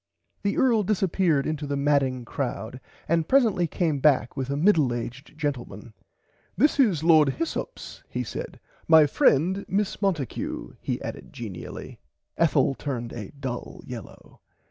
The earl disserppeard into the madding crowd and presently came back with a middle aged gentleman. This is Lord Hyssops he said my friend Miss Monticue he added genially. Ethel turned a dull yellaw.